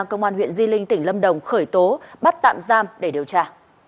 công an huyện di linh tỉnh lâm đồng khởi tố bắt tạm giam để điều tra